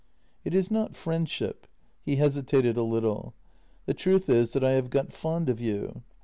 " It is not friendship." He hesitated a little. " The truth is that I have got fond of you.